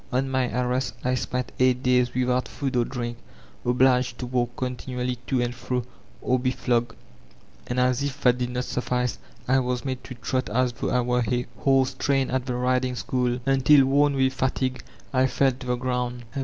On my arrest I spent eight days without food or drink, obliged to walk continually to and fro or be flogged; and as if that did not suffice, I was made to trot as though I were a horse trained at the riding school, until worn with fatigue I fell to the ground.